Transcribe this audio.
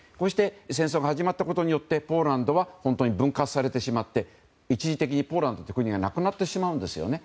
戦争が始まったことによってポーランドは本当に分割されてしまって一時的にポーランドという国がなくなってしまうんですね。